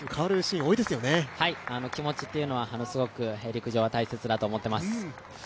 気持ちというのはすごく陸上は大切だと思っています。